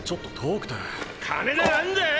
金ならあんだよ！